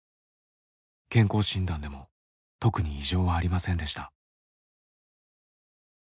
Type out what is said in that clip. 健康診断でも特に異常はありませんでした。